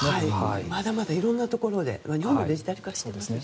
まだまだ色んなところで日本もデジタル化してますしね。